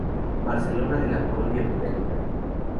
Barcelona de la colonia británica.